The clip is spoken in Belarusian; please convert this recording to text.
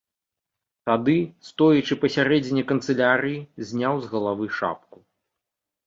Тады, стоячы пасярэдзіне канцылярыі, зняў з галавы шапку.